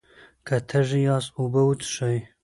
که تږي یاست، اوبه وڅښئ.